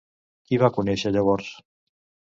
Qui va conèixer llavors?